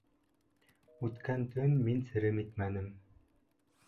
Үткән төн мин серем итмәнем